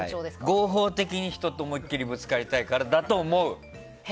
合法的に人と思い切りぶつかりたいだからだと思う。